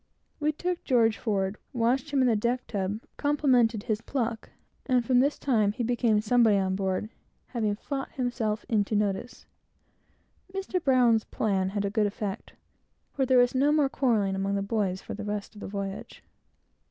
We took George forward, washed him in the deck tub, complimented his pluck, and from this time he became somebody on board, having fought himself into notice. Mr. Brown's plan had a good effect, for there was no more quarrelling among the boys for the rest of the voyage.